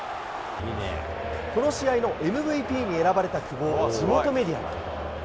この試合のＭＶＰに選ばれた久保を地元メディアは。